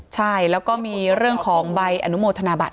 ใช่แล้วก็มีเรื่องของใบอนุโมทนาบัต